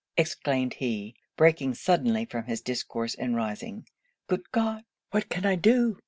exclaimed he, breaking suddenly from his discourse and rising 'Good God, what can I do?'